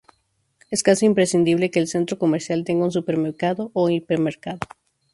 Es casi imprescindible que el centro comercial tenga un supermercado o hipermercado.